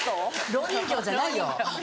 ろう人形じゃないよ。